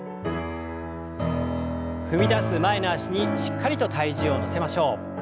踏みだす前の脚にしっかりと体重を乗せましょう。